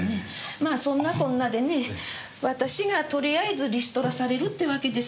まあそんなこんなでね私がとりあえずリストラされるってわけです。